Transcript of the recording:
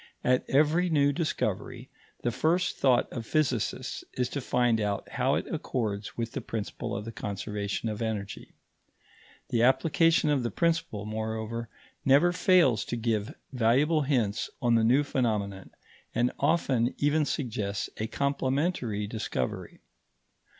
At every new discovery, the first thought of physicists is to find out how it accords with the principle of the conservation of energy. The application of the principle, moreover, never fails to give valuable hints on the new phenomenon, and often even suggests a complementary discovery.